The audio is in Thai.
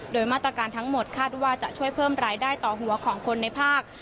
โดยมาตรการทั้งหมดคาดว่าจะช่วยเพิ่มรายได้ต่อหัวของคนในภาค